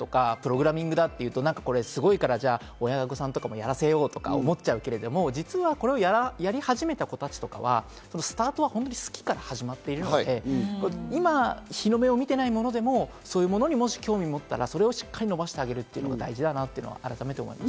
今でこそ、ＡＩとかプログラミングだっていうとすごいから、親御さんとかもやらせようとか思っちゃうけど、実はやり始めた子たちとかは、スタートはホント好きから始まっていて、今、日の目を見てないものでも、そういうものに興味を持ったら、それをしっかり伸ばしてあげるということが大事だなって改めて思いまし